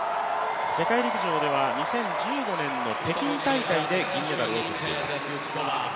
世界陸上では２０１５年の北京大会で銅メダルをとっています。